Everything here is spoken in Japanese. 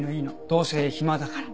どうせ暇だから。